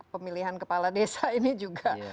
pemilihan kepala desa ini juga